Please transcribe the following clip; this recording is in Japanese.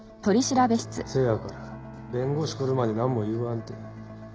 せやから弁護士来るまでなんも言わんて。